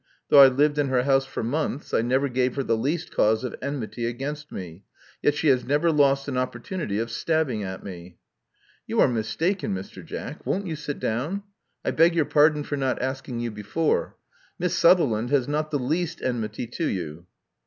Though I lived in her house for months, I never gave her the least cause of enmity against me. Yet she has never lost an opportunity of stabbing at me." *'You are mistaken, Mr. Jack — won't you sit down: Love Among the Artists 125 I beg your pardon for not asking you before — Miss Sutherland has not the least enmity to you.